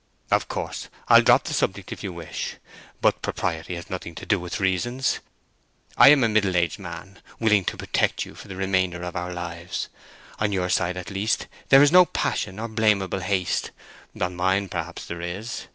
"Of course, I'll drop the subject if you wish. But propriety has nothing to do with reasons. I am a middle aged man, willing to protect you for the remainder of our lives. On your side, at least, there is no passion or blamable haste—on mine, perhaps, there is.